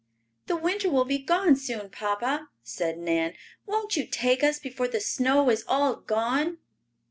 "The winter will be gone soon, papa," said Nan. "Won't you take us before the snow is all gone?"